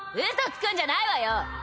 嘘つくんじゃないわよ！